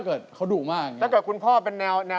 ฟงเหมือนพี่ไหมที่แบบว่า